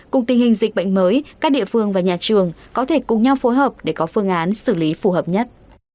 cùng tình hình dịch bệnh mới các địa phương và nhà trường có thể cùng nhau phối hợp để có phương án xử lý phù hợp nhất